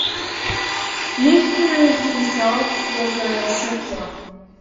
Nehru himself was a secular.